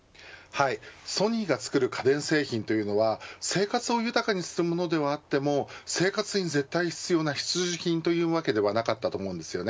ソニーが作る家電製品というのは生活を豊かにするものではあっても生活に絶対必要な必需品というわけではありません。